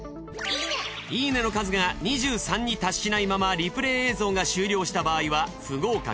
「いいね！」の数が２３に達しないままリプレイ映像が終了した場合は不合格。